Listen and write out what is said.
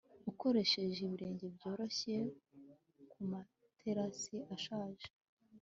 Ukoresheje ibirenge byoroshye kumaterasi ashaje